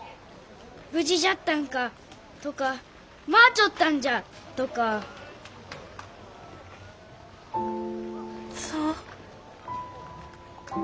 「無事じゃったんか」とか「待ちょったんじゃ」とか。そう。